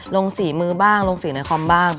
ฝีมือบ้างลงสีในคอมบ้าง